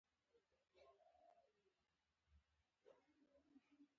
د سندرې سروکی ور غبرګ کړ.